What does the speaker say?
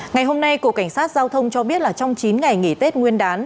ngày hôm nay cục cảnh sát giao thông cho biết là trong chín ngày nghỉ tết nguyên đán